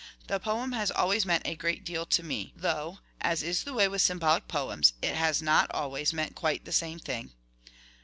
The poem has always meant a great deal to me, though, as is the way with symbolic poems, it has not always meant quite the same thing.